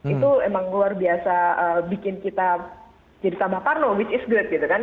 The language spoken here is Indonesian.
itu emang luar biasa bikin kita jadi tambah parno which is good gitu kan